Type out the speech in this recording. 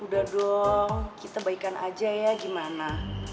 udah dong kita baikkan aja ya gimana